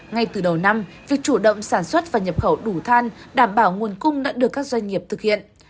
ngay từ đầu năm việc chủ động sản xuất và nhập khẩu đủ than đảm bảo nguồn cung đã được các doanh nghiệp thực hiện